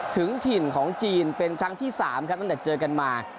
ถึงถิ่นของจีนเป็นครั้งที่๓ครับตั้งแต่เจอกันมา